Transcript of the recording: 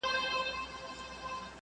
نړۍ د افغان ښځو د پرمختګ ستاینه کوله.